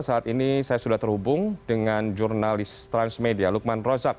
saat ini saya sudah terhubung dengan jurnalis transmedia lukman rozak